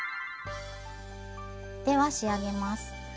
では仕上げます。